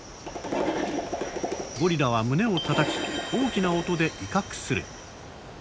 ゴリラは胸をたたき大きな音で威嚇する。